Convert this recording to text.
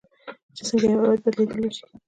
چې څنګه یو هیواد بدلیدلی شي.